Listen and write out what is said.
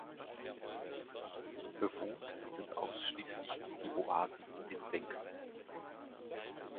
Bewohnt sind ausschließlich die Oasen in den Senken.